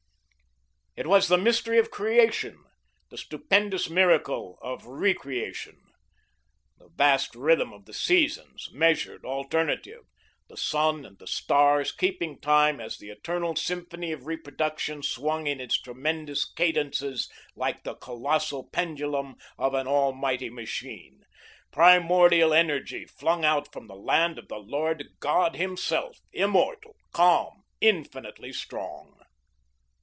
It was the mystery of creation, the stupendous miracle of recreation; the vast rhythm of the seasons, measured, alternative, the sun and the stars keeping time as the eternal symphony of reproduction swung in its tremendous cadences like the colossal pendulum of an almighty machine primordial energy flung out from the hand of the Lord God himself, immortal, calm, infinitely strong.